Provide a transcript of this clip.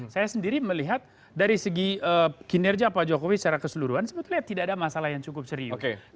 saya sendiri melihat dari segi kinerja pak jokowi secara keseluruhan sebetulnya tidak ada masalah yang cukup serius